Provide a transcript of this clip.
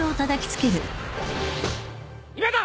今だ！